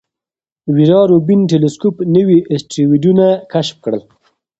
ویرا روبین ټیلسکوپ نوي اسټروېډونه کشف کړل.